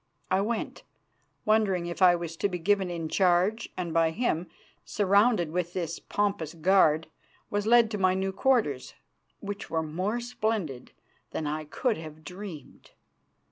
I went, wondering if I was to be given in charge, and by him, surrounded with this pompous guard, was led to my new quarters, which were more splendid than I could have dreamed.